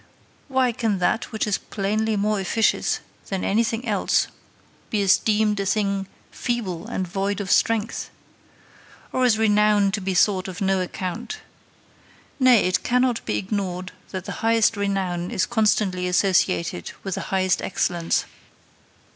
Why, can that which is plainly more efficacious than anything else be esteemed a thing feeble and void of strength? Or is renown to be thought of no account? Nay, it cannot be ignored that the highest renown is constantly associated with the highest excellence.